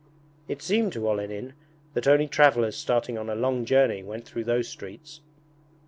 It seemed to Olenin that only travellers starting on a long journey went through those streets.